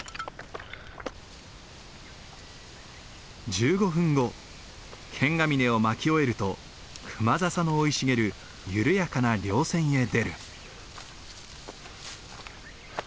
１５分後剣ヶ峰を巻き終えるとクマザサの生い茂る緩やかな稜線へ出る。